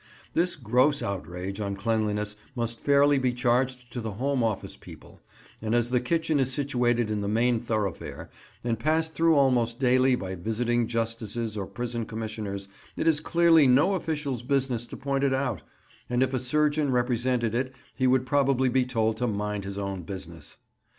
This gross outrage on cleanliness must fairly be charged to the Home Office people; and as the kitchen is situated in the main thoroughfare, and passed through almost daily by visiting justices or prison commissioners, it is clearly no official's business to point it out—and if a surgeon represented it he would probably be told to mind his own business.